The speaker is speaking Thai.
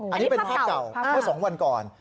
อันนี้เป็นภาพเก่าเมื่อ๒วันก่อน